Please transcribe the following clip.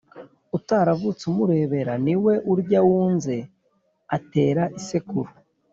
Utaravutse umurebera Niwe urya wunze atera isekuru